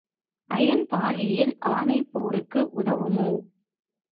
ஐயன் பாழியில் ஆனை போர்க்கு உதவுமோ?